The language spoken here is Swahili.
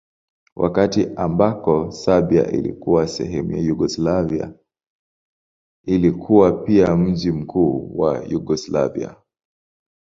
Wakati ambako Serbia ilikuwa sehemu ya Yugoslavia ilikuwa pia mji mkuu wa Yugoslavia.